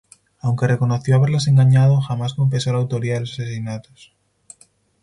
Aunque reconoció haberlas engañado, jamás confesó la autoría de los asesinatos.